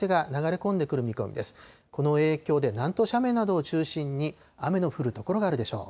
この影響で南東斜面などを中心に、雨の降る所があるでしょう。